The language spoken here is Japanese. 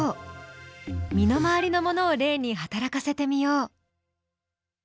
身の回りのものを例に働かせてみよう。